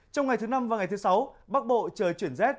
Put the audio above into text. trong ngày thứ năm và ngày thứ sáu bắc bộ trời chuyển rét